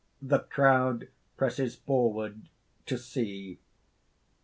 _ _The crowd presses forward to see.